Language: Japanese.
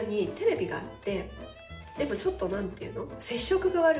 でもちょっとなんていうの？